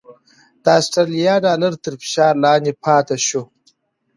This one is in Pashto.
د اسټرالیا ډالر تر فشار لاندې پاتې شو؛